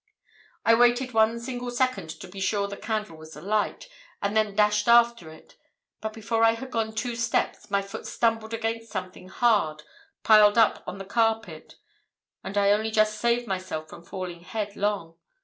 "I waited one single second to be sure the candle was alight, and then dashed after it, but before I had gone two steps, my foot stumbled against something hard piled up on the carpet and I only just saved myself from falling headlong.